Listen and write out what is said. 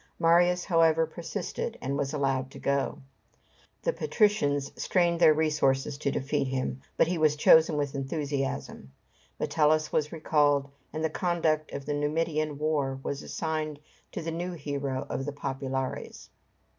Marius, however, persisted, and was allowed to go. The patricians strained their resources to defeat him, but he was chosen with enthusiasm. Metellus was recalled, and the conduct of the Numidian war was assigned to the new hero of the "Populares."